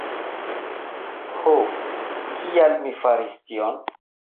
Ho kial mi faris tion?